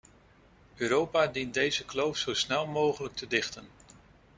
Europa dient deze kloof zo snel mogelijk te dichten.